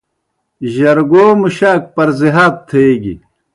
جرگو مُشاک پَرزِہات تھیگیْ۔